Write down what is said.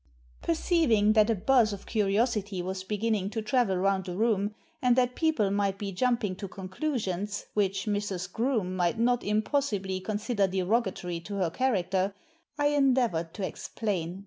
Perceiving that a buzz of curiosity was beginning to travel round the room, and that people might be jumping to conclusions, which Mrs. Groome might not impossibly consider derogatory to her character, I endeavoured to explain.